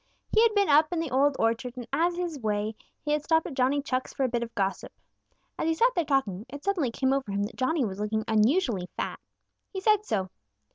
He had been up in the Old Orchard and, as is his way, had stopped at Johnny Chuck's for a bit of gossip. As he sat there talking, it suddenly came over him that Johnny was looking unusually fat. He said so.